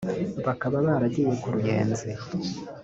bakaba baragiye ku Ruyenzi